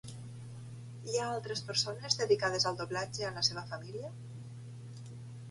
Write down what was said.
Hi ha altres persones dedicades al doblatge a la seva família?